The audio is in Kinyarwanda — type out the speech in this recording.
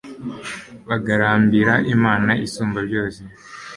bagarambira imana isumbabyose